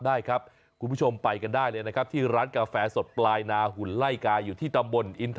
ได้ครับคุณผู้ชมไปกันได้เลยนะครับที่ร้านกาแฟสดปลายนาหุ่นไล่กาอยู่ที่ตำบลอินท